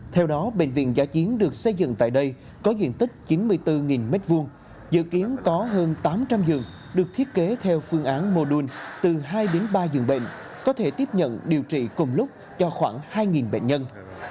theo đó bệnh viện giã chiến được xây dựng tại đây có diện tích chín mươi bốn m hai dự kiến có hơn tám trăm linh giường được thiết kế theo phương án mô đun từ hai đến ba giường bệnh có thể tiếp nhận điều trị cùng lúc cho khoảng hai bệnh nhân